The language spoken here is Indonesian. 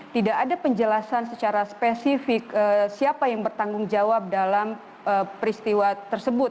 tidak ada penjelasan secara spesifik siapa yang bertanggung jawab dalam peristiwa tersebut